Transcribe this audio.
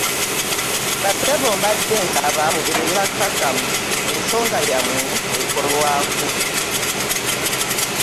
Ba ssebo mbadde nsaba mubeere bakkakkamu ensonga yammwe ekolwako.